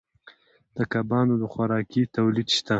د کبانو د خوراکې تولید شته